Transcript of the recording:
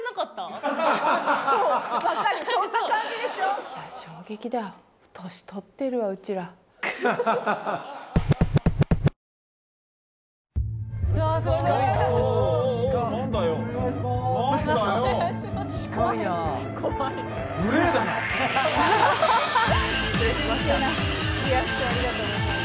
新鮮なリアクションありがとうございます。